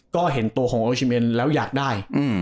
ก็เห็นตัวของโอชิเมนแล้วอยากได้